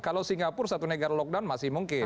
kalau singapura satu negara lockdown masih mungkin